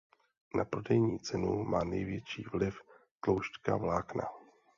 Na prodejní cenu má největší vliv tloušťka vlákna.